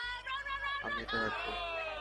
আমি এটা রাখবো।